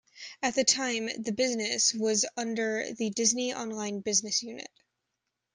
At the time, the business was under the Disney Online business unit.